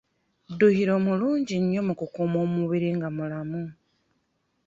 Dduyiro mulungi nnyo mu kukuuma omubiri nga mulamu.